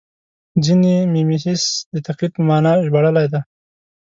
ځینې میمیسیس د تقلید په مانا ژباړلی دی